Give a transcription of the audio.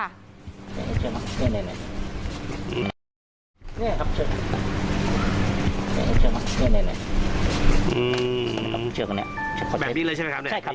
แบบนี้เลยใช่ไหมครับ